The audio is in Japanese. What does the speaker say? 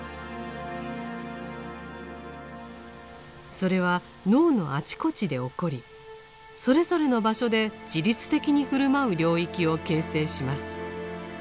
それは脳のあちこちで起こりそれぞれの場所で自律的に振る舞う領域を形成します。